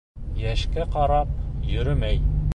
Йәшкә ҡарап йөрөмәй